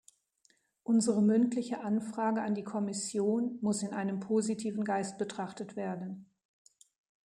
Unsere mündliche Anfrage an die Kommission muss in einem positiven Geist betrachtet werden.